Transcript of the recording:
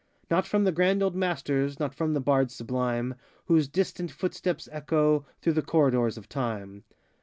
Not from the grand old masters, Not from the bards sublime, Whose distant footsteps echo Through the corridors of Time.